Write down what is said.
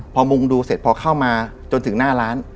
พอมุงดูเสร็จพอเข้ามาจนถึงหน้าร้าน